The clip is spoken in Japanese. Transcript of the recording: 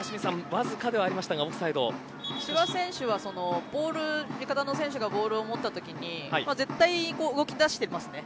わずかではありましたが千葉選手は味方の選手がボールを持ったときに絶対に動き出していますね。